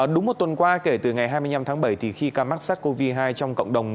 đúng một tuần qua kể từ ngày hai mươi năm tháng bảy thì khi ca mắc sars cov hai trong cộng đồng